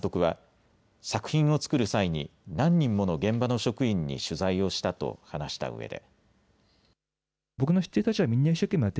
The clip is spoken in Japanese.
小澤監督は作品を作る際に何人もの現場の職員に取材をしたと話したうえで。